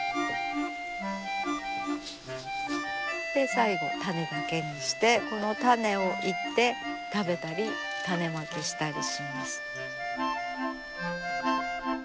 最後種だけにしてこの種を煎って食べたり種まきしたりします。